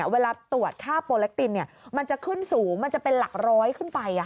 เวลาตรวจค่าโปรเล็กตินมันจะขึ้นสูงมันจะเป็นหลักร้อยขึ้นไป